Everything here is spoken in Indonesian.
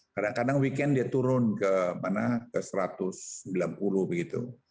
kadang kadang weekend dia turun ke satu ratus sembilan puluh begitu